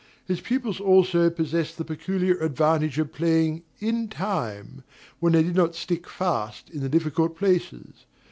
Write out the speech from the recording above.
His pupils also possessed the peculiar advantage of playing "in time," when they did not stick fast in the difficult places.